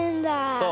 そう。